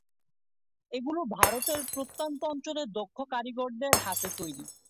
এগুলি ভারতের প্রত্যন্ত অঞ্চলে দক্ষ কারিগরদের হাতে তৈরি।